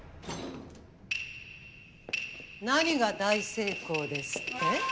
・何が大成功ですって？